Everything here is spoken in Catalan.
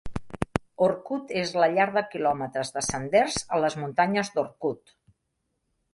Orcutt és la llar de quilòmetres de senders a les muntanyes d'Orcutt.